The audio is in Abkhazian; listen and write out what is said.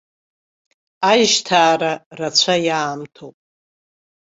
Ажьҭаара рацәа иаамҭоуп.